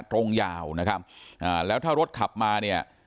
ยาวนะครับอ่าแล้วถ้ารถขับมาเนี่ย